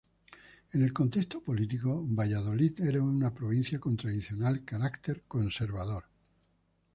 En el contexto político, Valladolid era una provincia con tradicional carácter conservador.